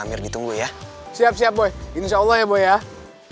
amir ditunggu ya siap siap boy insya allah ya boy ya assalamualaikum